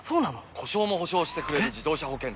故障も補償してくれる自動車保険といえば？